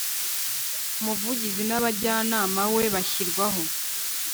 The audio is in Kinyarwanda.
Umuvugizi N Abajyanama We Bashyirwaho